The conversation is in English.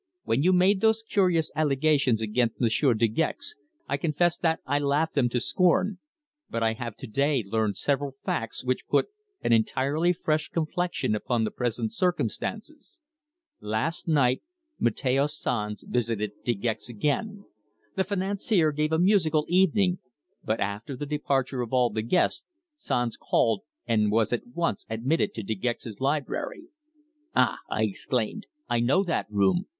When you made those curious allegations against Monsieur De Gex I confess that I laughed them to scorn, but I have to day learned several facts which put an entirely fresh complexion upon the present circumstances. Last night Mateo Sanz visited De Gex again. The financier gave a musical evening, but after the departure of all the guests, Sanz called and was at once admitted to De Gex's library." "Ah!" I exclaimed. "I know that room.